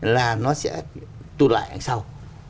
làm lại sau